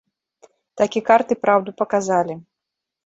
Такі карты праўду паказалі.